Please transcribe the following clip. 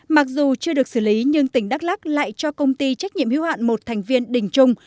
mặc dù chưa được xử lý nhưng tỉnh đắk lắc lại cho công ty trách nhiệm hiếu hạn một thành viên đình trung